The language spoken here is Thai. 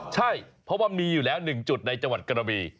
ใช่เพราะว่ามีอยู่แล้ว๑จุดในจังหวัดกระบี